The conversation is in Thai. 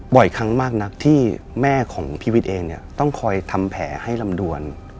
บ่อยครั้งมากนักที่แม่ของพี่วิทย์เองเนี่ยต้องคอยทำแผลให้ลำดวน